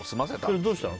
それはどうしたの？